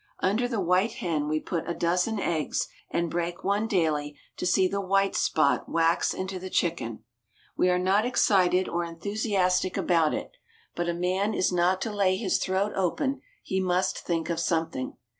Under the white hen we put a dozen eggs, and break one daily to see the white spot wax into the chicken. We are not excited or enthusiastic about it; but a man is not to lay his throat open, he must think of something.